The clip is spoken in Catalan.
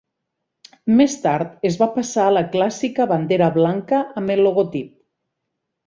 Més tard es va passar a la clàssica bandera blanca amb el logotip.